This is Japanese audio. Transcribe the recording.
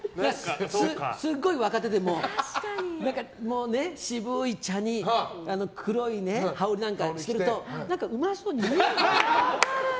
すごい若手でも、渋い茶に黒い羽織なんかしてるとうまそうに見えるんですよ。